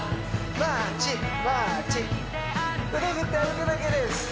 マーチ腕振って歩くだけです